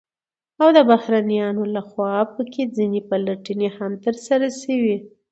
او د بهرنيانو لخوا په كې ځنې پلټنې هم ترسره شوې،